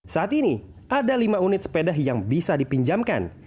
saat ini ada lima unit sepeda yang bisa dipinjamkan